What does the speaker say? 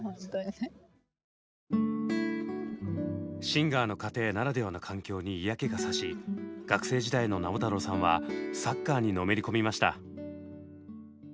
シンガーの家庭ならではの環境に嫌気がさし学生時代の直太朗さんはサッカーにのめり込みました。